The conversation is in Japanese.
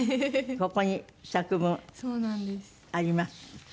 ここに作文あります。